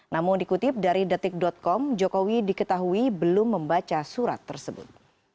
namun dikutip dari detik com jokowi diketahui belum membaca surat tersebut